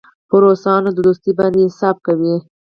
پر روسانو دوستي باندې حساب کوي.